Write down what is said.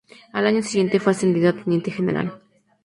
Al año siguiente fue ascendido a teniente general.